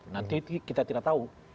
nanti kita tidak tahu